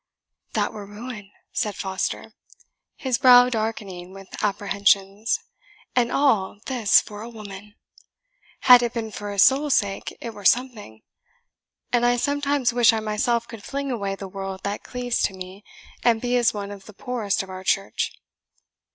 "That were ruin," said Foster, his brow darkening with apprehensions; "and all this for a woman! Had it been for his soul's sake, it were something; and I sometimes wish I myself could fling away the world that cleaves to me, and be as one of the poorest of our church."